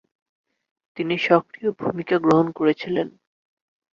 তিনি সক্রিয় ভূমিকা গ্রহণ করেছিলেন।